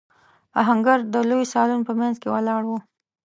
آهنګر د لوی سالون په مينځ کې ولاړ و.